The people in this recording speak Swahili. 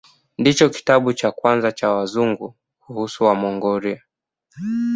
Ndicho kitabu cha kwanza cha Wazungu kuhusu Wamongolia.